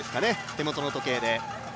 手元の時計。